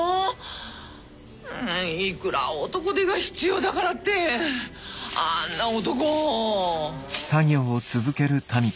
いくら男手が必要だからってあんな男。